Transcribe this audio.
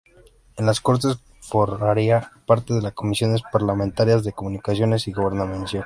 En las Cortes formaría parte de las comisiones parlamentarias de Comunicaciones y Gobernación.